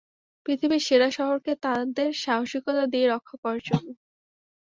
পৃথিবীর সেরা শহরকে তাদের সাহসিকতা দিয়ে রক্ষা করার জন্য।